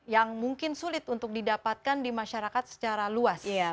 yang mungkin sulit untuk didapatkan di masyarakat secara luas